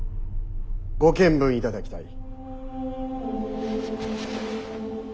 ご検分いただきたい。